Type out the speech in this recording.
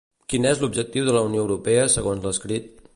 Quin és l'objectiu de la Unió Europea segons l'escrit?